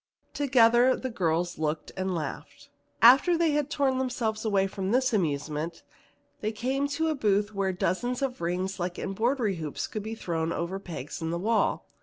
Together the girls looked and laughed. After they had torn themselves away from this amusement, they came to a booth where dozens of rings like embroidery hoops could be thrown over pegs in the wall.